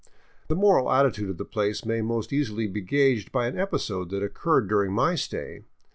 The moral attitude of the place may most easily be gaged by an episode that occurred during my stay.